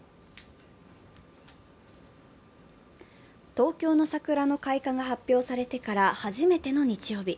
東京の桜の開花が発表されてから初めての日曜日。